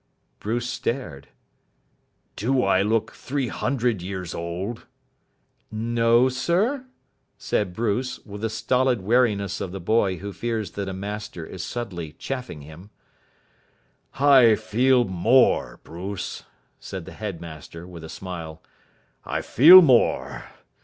Bruce stared. "Do I look three hundred years old?" "No, sir," said Bruce, with the stolid wariness of the boy who fears that a master is subtly chaffing him. "I feel more, Bruce," said the headmaster, with a smile. "I feel more.